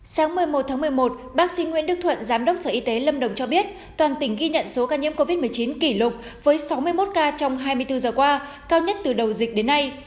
sáng một mươi một tháng một mươi một bác sĩ nguyễn đức thuận giám đốc sở y tế lâm đồng cho biết toàn tỉnh ghi nhận số ca nhiễm covid một mươi chín kỷ lục với sáu mươi một ca trong hai mươi bốn giờ qua cao nhất từ đầu dịch đến nay